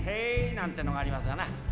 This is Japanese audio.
なんてのがありますわな。